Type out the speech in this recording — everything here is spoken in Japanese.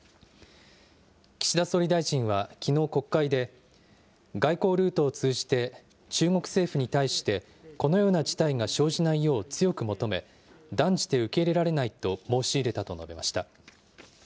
岸田総理大臣はきのう国会で、外交ルートを通じて中国政府に対して、このような事態が生じないよう強く求め、断じて受け入れられないと申し入れたと述べました。